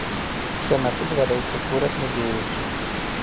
Šiuo metu dvare įsikūręs muziejus.